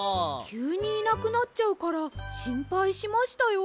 きゅうにいなくなっちゃうからしんぱいしましたよ。